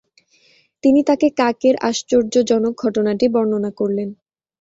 তিনি তাকে কাক এর আশ্চর্ জনক ঘটনাটি বর্ণা করলেন।